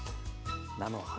菜の花